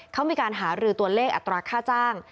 เขามีการหารือตัวเลขอัตราค่าจ้าง